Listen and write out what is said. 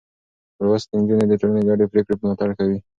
لوستې نجونې د ټولنې ګډې پرېکړې ملاتړ کوي.